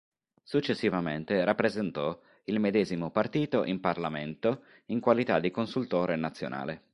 Successivamente rappresentò il medesimo partito in Parlamento in qualità di consultore nazionale.